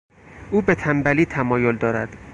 او به تنبلی تمایل دارد.